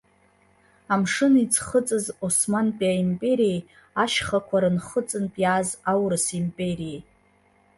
Амшын иӡхыҵыз османтәи аимпериеи ашьхақәа рынхыҵынтә иааз аурыс империеи.